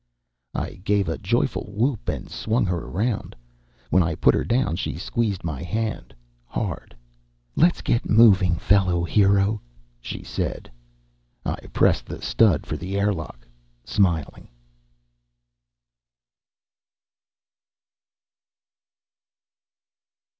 I gave a joyful whoop and swung her around. When I put her down, she squeezed my hand, hard. "Let's get moving, fellow hero," she said. I pressed the stud for the airlock, smiling.